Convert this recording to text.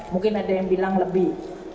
mungkin ada yang bilang lebih